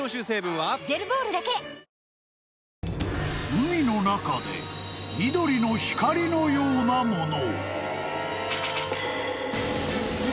［海の中で緑の光のようなもの］